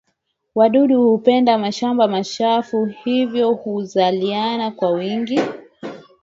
wadudu hupenda shamba chufu hivyo huzaliana kwa wingi